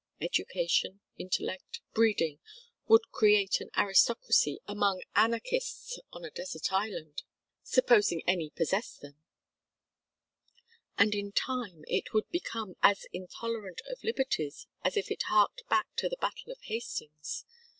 Education, intellect, breeding, would create an aristocracy among anarchists on a desert island supposing any possessed them; and in time it would become as intolerant of liberties as if it harked back to the battle of Hastings.